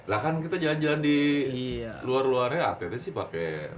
lah kan kita jalan jalan di luar luarnya att sih pakai